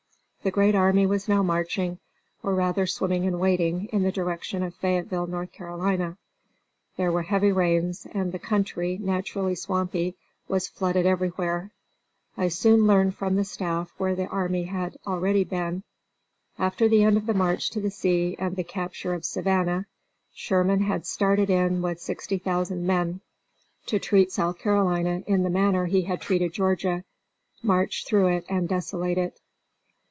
The great army was now marching, or rather swimming and wading, in the direction of Fayetteville, N. C. There were heavy rains and the country, naturally swampy, was flooded everywhere. I soon learned from the staff where the army had already been. After the end of the march to the sea and the capture of Savannah, Sherman had started in with sixty thousand men, to treat South Carolina in the manner he had treated Georgia march through it and desolate it.